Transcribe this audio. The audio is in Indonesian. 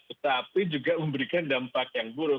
tetapi juga memberikan dampak yang buruk